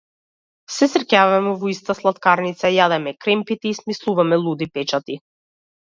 Се среќаваме во иста слаткарница, јадеме кремпити и смислуваме луди печати.